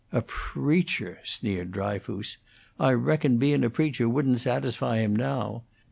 "A preacher!" sneered Dryfoos. "I reckon bein' a preacher wouldn't satisfy him now.